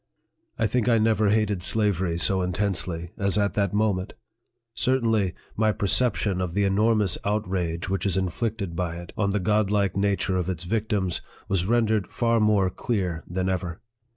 I think I never hated slavery so intensely as at that moment ; certainly, my percep tion of the enormous outrage which is inflicted by it, on the godlike nature of its victims, was rendered far more clear than ever.